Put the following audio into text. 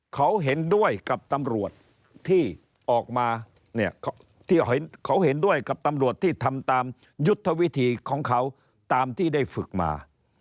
เขาเห็นด้วยกับตำรวจที่ออกมาเนี่ยที่เขาเห็นด้วยกับตำรวจที่ทำตามยุทธวิธีของเขาตามที่ได้ฝึกมา